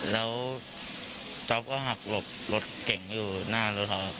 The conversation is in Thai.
แล้วจ๊อปก็หักหลบรถเก่งอยู่หน้ารถเขาครับ